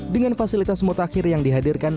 dengan fasilitas mutakhir yang dihadirkan